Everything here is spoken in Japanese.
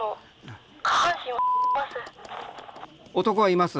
男はいます？